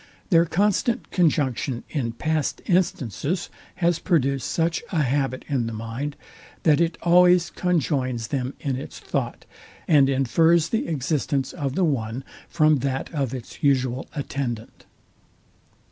Their constant conjunction in past instances has produced such a habit in the mind, that it always conjoins them in its thought, and infers the existence of the one from that of its usual attendant.